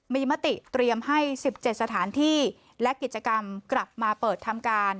มีมติเตรียมให้๑๗สถานที่และกิจกรรมกลับมาเปิดทำการ